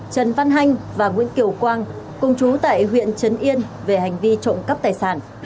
trần văn hanh và nguyễn kiều quang cùng chú tại huyện trấn yên về hành vi trộm cắp tài sản